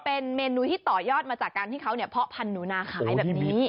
เป็นเมนูที่ต่อยอดมาจากการที่เขาเพาะพันธุนาขายแบบนี้